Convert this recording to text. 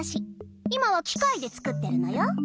今はきかいで作ってるのよ。